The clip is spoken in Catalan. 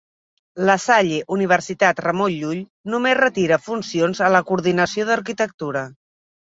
La Salle-URL només retira funcions a la coordinació d'Arquitectura